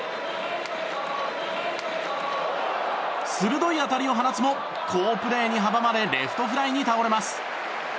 鋭い当たりを放つも好プレーに阻まれレフトフライに倒れます。